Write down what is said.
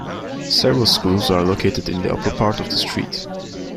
Several schools are located in the upper part of the street.